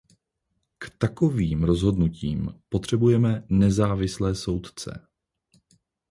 K takovým rozhodnutím potřebujeme nezávislé soudce.